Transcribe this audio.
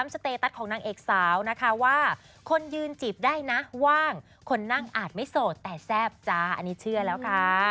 แซ่บจ้าอันนี้เชื่อแล้วค่ะ